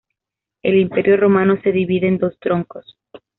El Imperio romano se divide en dos troncos.